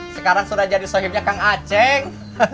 sekarang sudah jadi sogyepnya kang aceng